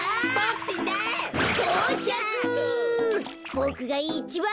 ボクがいちばん。